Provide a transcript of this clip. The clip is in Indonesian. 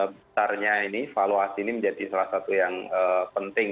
besarnya ini valuasi ini menjadi salah satu yang penting